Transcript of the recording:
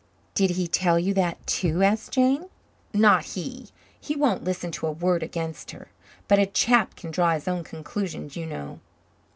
"Did he tell you that, too?" asked Jane. "Not he. He won't listen to a word against her. But a chap can draw his own conclusions, you know."